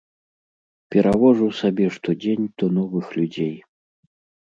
Перавожу сабе што дзень, то новых людзей.